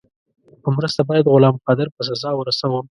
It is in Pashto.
په مرسته باید غلام قادر په سزا ورسوم.